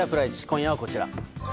今夜はこちら。